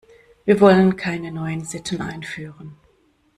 Wir wollen keine neuen Sitten einführen.